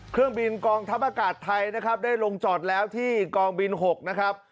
เครื่องบินกองทัพอากาศไทยนะครับได้ลงจอดแล้วที่กองบิน๖นะครับ